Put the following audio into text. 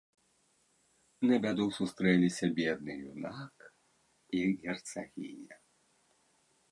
На бяду сустрэліся бедны юнак і герцагіня.